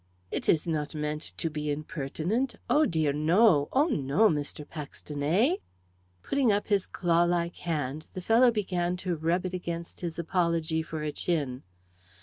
"It is not meant to be impertinent, oh, dear no; oh, no, Mr Paxton, eh?" Putting up his clawlike hand, the fellow began to rub it against his apology for a chin.